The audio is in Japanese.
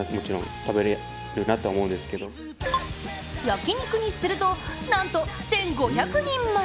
焼き肉にすると、なんと１５００人前。